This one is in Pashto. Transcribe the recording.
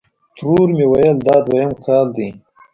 ترور مې ویل: دا دویم کال دی.